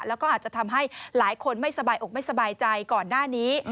แล้วก็อาจจะทำให้หลายคนไม่สบายอกไม่สบายใจก่อนหน้านี้